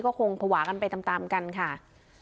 ก็คงผวากันไปตามตามกันค่ะ